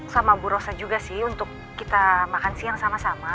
sama bu rosa juga sih untuk kita makan siang sama sama